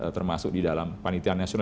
termasuk di dalam panitia nasional